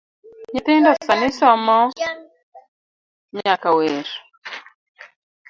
Nyithindo sani somomnyaka wer